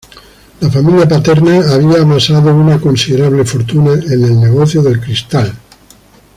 La familia paterna había amasado una considerable fortuna en el negocio del cristal.